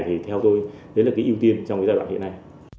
thì theo tôi đấy là cái ưu tiên trong cái giai đoạn hiện nay